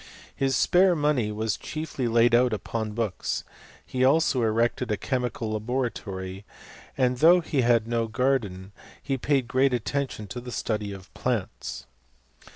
His spare money was chiefly laid out upon books ; he ■ also erected a chemical laboratory, and though he had no garden he paid great attention to the study of plants.